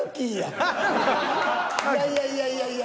いやいやいやいやいや。